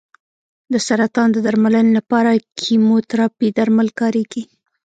د سرطان د درملنې لپاره کیموتراپي درمل کارېږي.